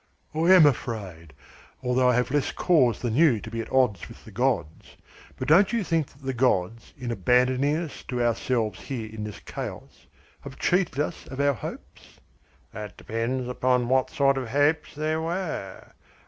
"I am afraid, although I have less cause than you to be at odds with the gods. But don't you think that the gods, in abandoning us to ourselves here in this chaos, have cheated us of our hopes?" "That depends upon what sort of hopes they were.